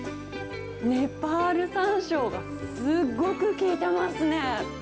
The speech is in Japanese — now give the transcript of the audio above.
ネパールさんしょうがすごく効いてますね。